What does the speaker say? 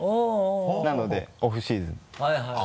なのでオフシーズン。